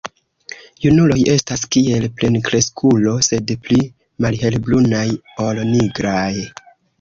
Junuloj estas kiel plenkreskulo, sed pli malhelbrunaj ol nigraj.